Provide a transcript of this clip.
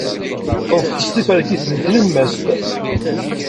Ḍfes tiferkit deg tlemmast.